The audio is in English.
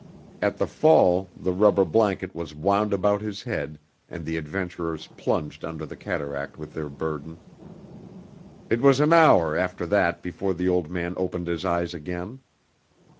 At the fall the rubber blanket was wound about his head and the adventurers plunged under the cataract with their burden. It was an hour after that before the old man opened his eyes again.